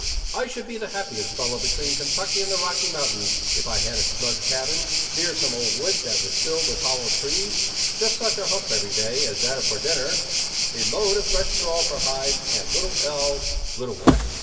I should be the happiest fellow between Kentucky and the Rocky Mountains, if I had a snug cabin, near some old wood that was filled with hollow trees, just such a hump every day as that for dinner, a load of fresh straw for hives, and little El—" "Little what?"